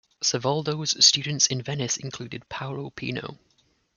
Savoldo's students in Venice included Paolo Pino.